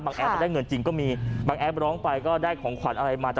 บางแอปมันได้เงินจริงก็มีบางแอปร้องไปก็ได้ของขวัญอะไรมาจากแฟนคลับนะฮะ